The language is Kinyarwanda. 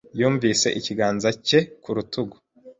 Yumvise ikiganza cye ku rutugu.